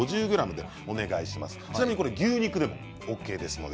ちなみに牛肉でもＯＫです。